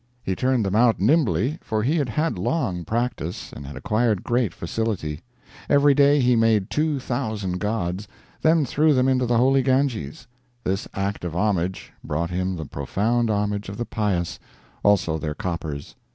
He turned them out nimbly, for he had had long practice and had acquired great facility. Every day he made 2,000 gods, then threw them into the holy Ganges. This act of homage brought him the profound homage of the pious also their coppers.